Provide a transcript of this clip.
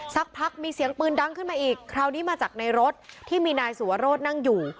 สักพักมีเสียงปืนดังขึ้นมาอีกคราวนี้มาจากในรถที่มีนายสุวรสนั่งอยู่